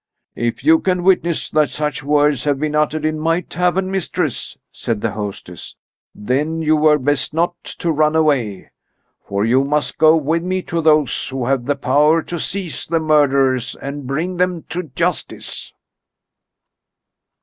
"If you can witness that such words have been uttered in my tavern, mistress," said the hostess, "then you were best not to run away. For you must go with me to those who have the power to seize the murderers and bring them to justice."